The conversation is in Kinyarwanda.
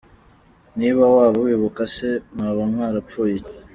com: niba waba wibuka se mwaba mwarapfuye iki?.